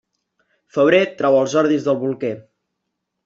Febrer trau els ordis del bolquer.